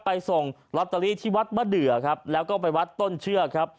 ไปส่งลอตเตอรี่ที่วัดมะเดือครับแล้วก็ไปวัดต้นเชือกครับ